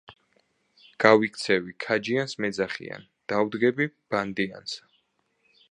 გავიქეცი ქაჯიანს მეძახიან, დავდგები - ბანდიანსა